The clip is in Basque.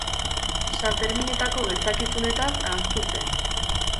Sanferminetako gertakizunetaz ahaztu zen.